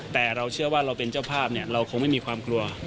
แต่เราเชื่อว่าเราเป็นเจ้าภาพเราคงไม่มีความกลัว